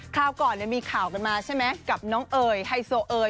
คราวก่อนมีข่าวกันมาใช่ไหมกับน้องเอ๋ยไฮโซเอย